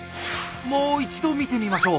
もう一度見てみましょう。